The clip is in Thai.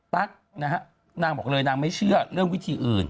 ตั๊กนะฮะนางบอกเลยนางไม่เชื่อเรื่องวิธีอื่น